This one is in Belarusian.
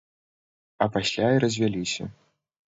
А пасля і развяліся.